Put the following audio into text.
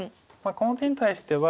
この手に対しては。